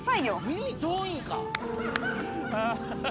耳遠いんか！